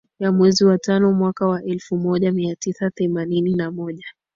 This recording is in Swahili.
Ya mwezi wa tano mwaka wa elfu moja mia tisa themanini na moja